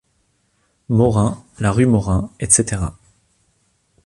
Morin, la rue Morin, etc.